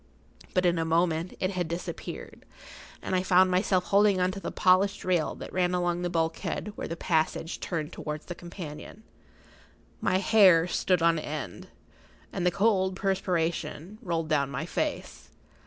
But in a moment it had disappeared, and I found myself holding[Pg 45] on to the polished rail that ran along the bulkhead where the passage turned towards the companion. My hair stood on end, and the cold perspiration rolled down my face.